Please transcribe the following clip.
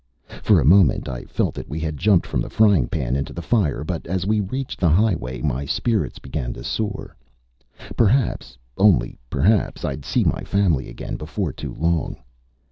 For a moment I felt that we had jumped from the frying pan into the fire. But, as we reached the highway, my spirits began to soar. Perhaps only perhaps I'd see my family again before too long.